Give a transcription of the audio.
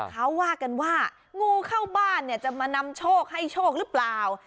เขาว่ากันว่างูเข้าบ้านจะมนำโชคให้โชครึเปล่า